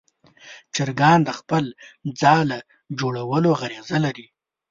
چرګان د خپل ځاله جوړولو غریزه لري.